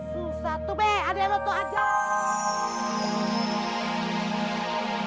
susah tuh adek lo tuh aja